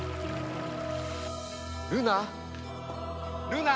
ルナ？